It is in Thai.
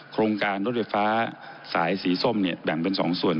โครงการรถไฟฟ้าสายสีส้มเนี่ยแบ่งเป็น๒ส่วน